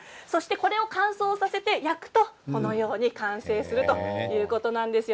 これを乾燥させて焼くとこのように完成するということです。